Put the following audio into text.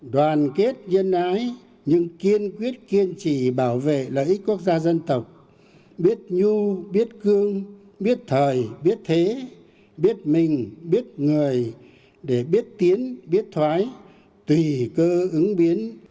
đoàn kết nhân ái nhưng kiên quyết kiên trì bảo vệ lợi ích quốc gia dân tộc biết nhu biết cương biết thời biết thế biết mình biết người để biết tiến biết thoái tùy cơ ứng biến